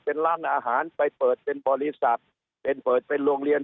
เป็นร้านอาหารไปเปิดเป็นบริษัทเป็นเปิดเป็นโรงเรียน